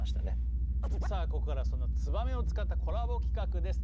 さあここからはその「ツバメ」を使ったコラボ企画です！